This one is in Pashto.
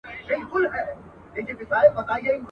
میرو ملک سي بلوخاني سي !.